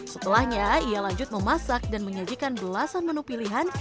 setelahnya ia lanjut memasak dan menyajikan belasan menu pilihan